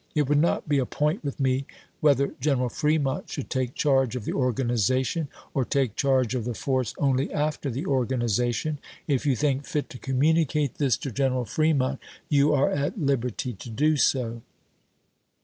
It would not be a point with me whether General Fremont should take charge of the organization, ljuj^^iq ^^ or take charge of the force only after the organization, ^^'^^fogo If you think fit to communicate this to General Fremont ms. you are at liberty to do so.